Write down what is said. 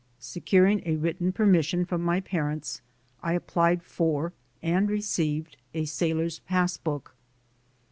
Securing a written permission from my parents, I applied for and received a sailor's pass book.